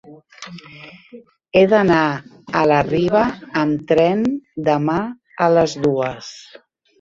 He d'anar a la Riba amb tren demà a les dues.